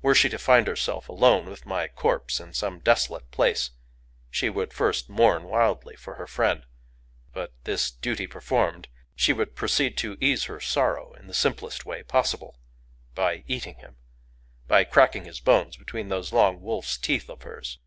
Were she to find herself alone with my corpse in some desolate place, she would first mourn wildly for her friend; but, this duty performed, she would proceed to ease her sorrow in the simplest way possible,—by eating him,—by cracking his bones between those long wolf's teeth of hers.